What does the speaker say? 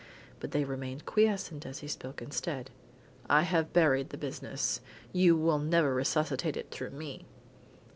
But they remained quiescent and he spoke instead. "I have buried the business. You will never resuscitate it through me."